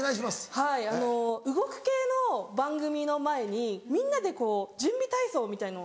はい動く系の番組の前にみんなでこう準備体操みたいの。